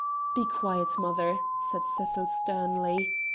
"Be quiet, mother;" said Cecil sternly.